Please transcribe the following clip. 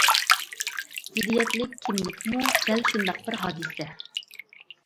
زىددىيەتلىك كىملىكمۇ دەل شۇنداق بىر ھادىسە.